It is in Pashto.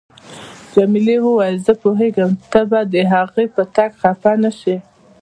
جميلې وويل: زه پوهیږم ته به د هغې په راتګ خفه نه شې.